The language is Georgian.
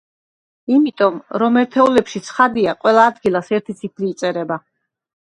იმიტომ, რომ ერთეულებში ცხადია, ყველა ადგილას ერთი ციფრი იწერება.